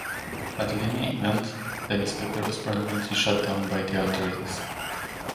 But in any event the newspaper was permanently shut down by the authorities.